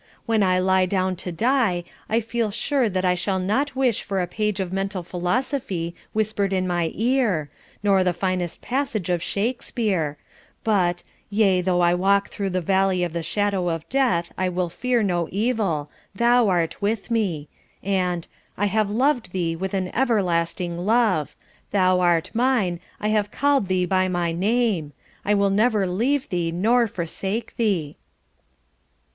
When I lie down to die I feel sure that I shall not wish for a page of mental philosophy whispered in my ear, nor the finest passage of Shakespeare; but, 'Yea, though I walk through the valley of the shadow of death, I will fear no evil; Thou art with me,' and 'I have loved thee with an everlasting love.' 'Thou art mine, I have called thee by my name.' 'I will never leave thee nor forsake thee.'"